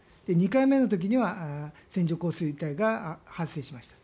２回目の時には線状降水帯が発生しました。